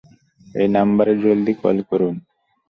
এই নাম্বারে জলদি কল করুন।